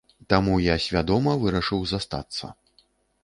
Таму я свядома вырашыў застацца.